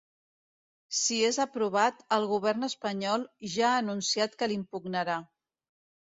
Si és aprovat, el govern espanyol ja ha anunciat que l’impugnarà.